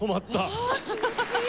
うわあ気持ちいい！